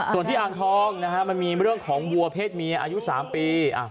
ส่วนที่อ่างทองนะฮะมันมีเรื่องของวัวเพศเมียอายุ๓ปี